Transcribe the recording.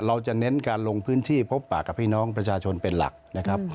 เราจะเน้นการลงพื้นที่พบปากกับพี่น้องประชาชนเป็นหลักนะครับ